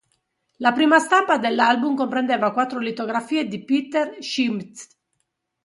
La prima stampa dell'album comprendeva quattro litografie di Peter Schmidt.